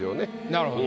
なるほど。